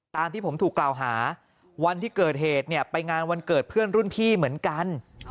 ตามที่ผมถูกกล่าวหาวันที่เกิดเหตุเนี่ยไปงานวันเกิดเพื่อนรุ่นพี่เหมือนกัน